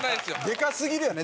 でかすぎるよね